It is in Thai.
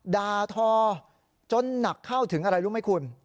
ด่าทอจนหนักเข้าถึงอะไรรู้ไหมคุณ